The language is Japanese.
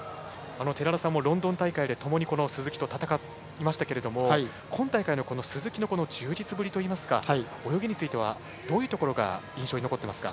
寺田さんもロンドン大会でともに、鈴木と戦いましたけれども今大会の鈴木の充実ぶりといいますか泳ぎについてはどういうところが印象に残っていますか？